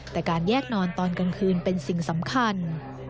แต่การแยกนอนตอนกลางคืนเป็นสิ่งสำคัญ